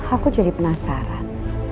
aku jadi penasaran